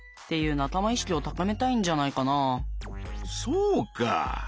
そうか！